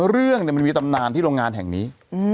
เรื่องมันมีตำนานที่โรงงานแห่งนี้